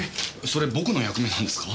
それ僕の役目なんですか？